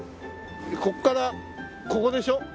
ここからここでしょ？